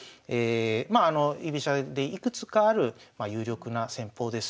まあ居飛車でいくつかある有力な戦法です。